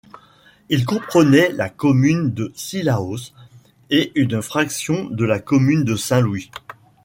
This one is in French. Il comprenait la commune de Cilaos et une fraction de la commune de Saint-Louis.